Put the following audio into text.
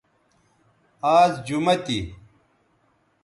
آز جمہ تھی